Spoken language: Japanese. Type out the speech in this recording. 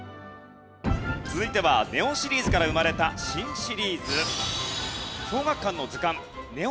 続いては『ＮＥＯ』シリーズから生まれた新シリーズ。